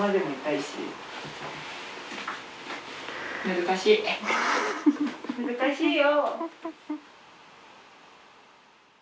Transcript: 難しいよ。